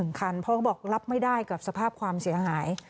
คันเพราะเขาบอกรับไม่ได้กับสภาพความเสียหาย